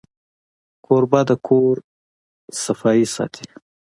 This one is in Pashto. کوربه د کور صفا ساتي.